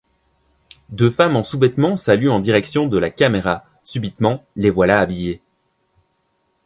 Deux femmes en sous-vêtements saluent en direction de la caméra, subitement les voilà habillées.